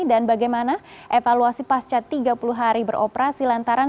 dan bagaimana evaluasi pasca tiga puluh hari beroperasi lantaran